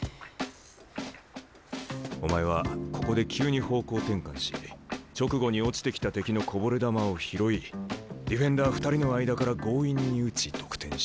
お前はここで急に方向転換し直後に落ちてきた敵のこぼれ球を拾いディフェンダー２人の間から強引に打ち得点した。